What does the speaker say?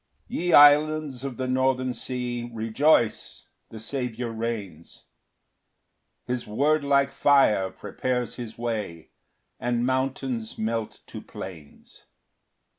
1 Ye islands of the northern sea, Rejoice, the Saviour reigns; His word like fire, prepares his way, And mountains melt to plains.